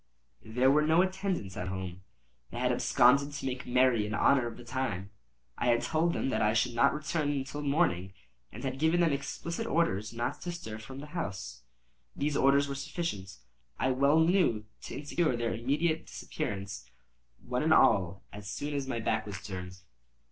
There were no attendants at home; they had absconded to make merry in honor of the time. I had told them that I should not return until the morning, and had given them explicit orders not to stir from the house. These orders were sufficient, I well knew, to insure their immediate disappearance, one and all, as soon as my back was turned.